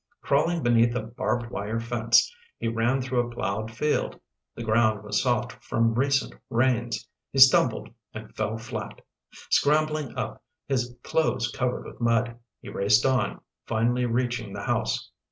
Crawling beneath a barbed wire fence, he ran through a plowed field. The ground was soft from recent rains. He stumbled and fell flat. Scrambling up, his clothes covered with mud, he raced on, finally reaching the house.